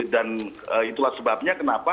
dan itulah sebabnya kenapa